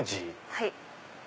はい。